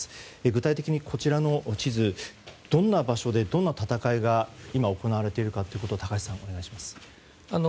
具体的にこちらの地図でどんな場所でどんな戦いが今、行われているか高橋さん、お願いします。